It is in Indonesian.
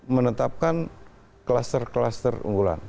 menetapkan kluster kluster unggulan